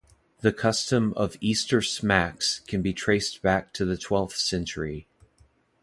The custom of "Easter Smacks" can be traced back to the twelfth century.